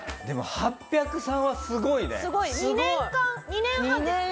でも８０３はすごいね！